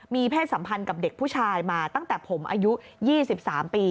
มีเพศสัมพันธ์กับเด็กผู้ชายมาตั้งแต่ผมอายุ๒๓ปี